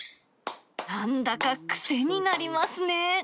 なんだか癖になりますね。